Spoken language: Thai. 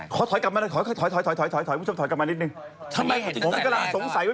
ขอถอยกลับมาหนิ